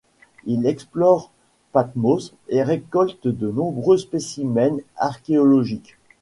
Il explore Patmos et récolte de nombreux spécimens archéologiques.